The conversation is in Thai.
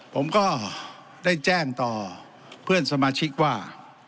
ผมก็ได้แจ้งต่อเพื่อนสมาชิกว่า